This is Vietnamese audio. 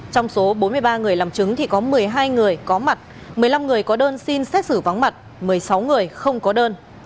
trong số bốn mươi ba người làm chứng thì có một mươi hai người có mặt một mươi năm người có đơn xin xét xử vắng mặt một mươi sáu người không có đơn